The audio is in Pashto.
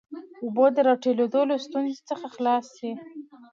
اوبو د راټولېدو له ستونزې څخه خلاص سي.